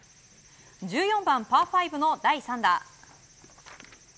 １４番パー５の第３打。